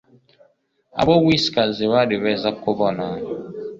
abo whiskers bari beza kubona